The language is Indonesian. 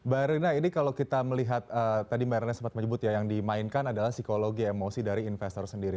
mbak rina ini kalau kita melihat tadi mbak rina sempat menyebut ya yang dimainkan adalah psikologi emosi dari investor sendiri